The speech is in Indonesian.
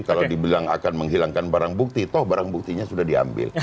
kalau dibilang akan menghilangkan barang bukti toh barang buktinya sudah diambil